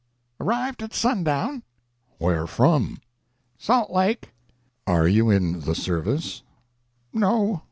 "Arrived at sundown." "Where from?" "Salt Lake." "Are you in the service?" "No.